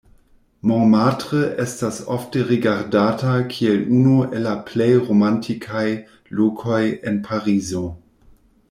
Montmartre estas ofte rigardata kiel unu el la plej romantikaj lokoj en Parizo.